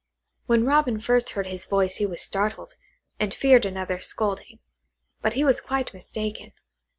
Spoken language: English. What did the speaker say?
When Robin first heard his voice he was startled, and feared another scolding, but he was quite mistaken.